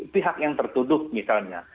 pihak yang tertuduh misalnya